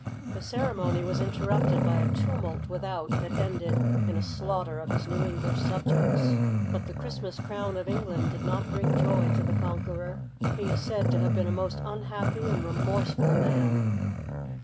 The ceremony was interrupted by a tumult without that ended in a slaughter of his new English subjects. But the Christmas crown of England did not bring joy to the Conqueror. He is said to have been a most unhappy and remorseful man.